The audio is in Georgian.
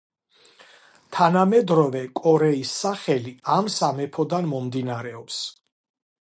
თანამედროვე კორეის სახელი ამ სამეფოდან მომდინარეობს.